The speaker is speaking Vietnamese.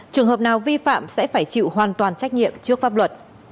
trường hợp nào vi phạm sẽ phải chịu hoàn toàn trách nhiệm trước pháp luật